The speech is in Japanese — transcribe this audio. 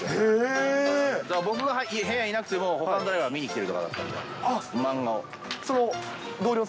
だから僕が部屋いなくても、ほかの誰かが読みに来てるとかだったんで、漫画を。